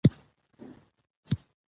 د کلیوالي ژوند خواړه خالص او طبیعي وي.